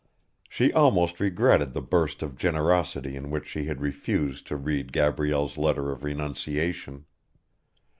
She almost regretted the burst of generosity in which she had refused to read Gabrielle's letter of renunciation.